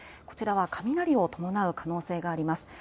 こちらは雷を伴う可能性があります。